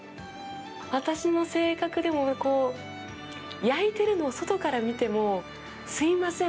私の性格でも焼いているのを外から見てもすいません